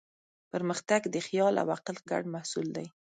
پرمختګ د خیال او عقل ګډ محصول دی.